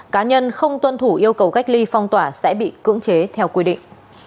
cá nhân không tuân thủ yêu cầu cách ly phong tỏa sẽ bị cưỡng chế theo quy định